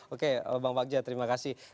oke bang bagja terima kasih